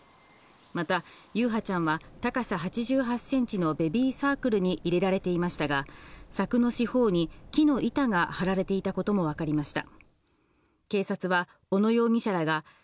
また優陽ちゃんは、高さ８８センチのベビーサークルに入れられていましたが、柵の四方に木の板が張られていたことも分かりました。